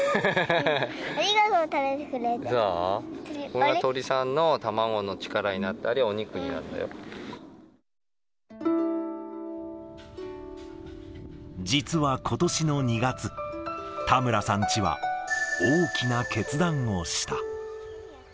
これが鳥さんの卵の力になったり、実はことしの２月、田村さんチは、大きな決断をした。